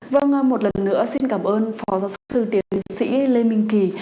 vâng một lần nữa xin cảm ơn phó giáo sư tiến sĩ lê minh kỳ